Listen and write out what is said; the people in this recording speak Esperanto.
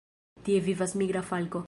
Tie vivas migra falko.